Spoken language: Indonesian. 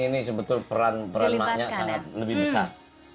ini sebetulnya peran maknya lebih besar